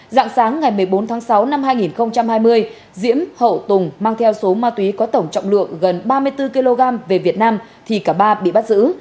dạng sáng ngày một mươi bốn tháng sáu năm hai nghìn hai mươi diễm hậu tùng mang theo số ma túy có tổng trọng lượng gần ba mươi bốn kg về việt nam thì cả ba bị bắt giữ